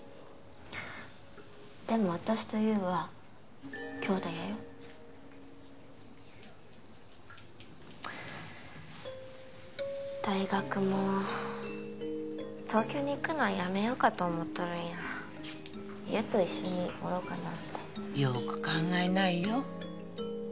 でも私と優はきょうだいやよ大学も東京に行くのはやめようかと思っとるんや優と一緒におろうかなってよく考えないよ